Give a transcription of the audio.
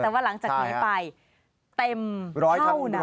แต่ว่าหลังจากนี้ไปเต็มเท่านั้น